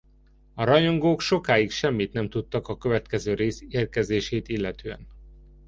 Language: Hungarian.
A rajongók sokáig semmit nem tudtak a következő rész érkezését illetően.